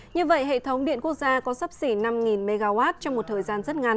như vậy hệ thống điện quốc gia có sắp xỉ năm mw trong một thời gian rất ngắn